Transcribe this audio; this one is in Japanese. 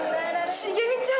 しげみちゃん？